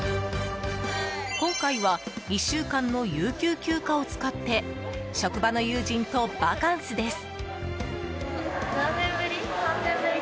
今回は１週間の有給休暇を使って職場の友人とバカンスです。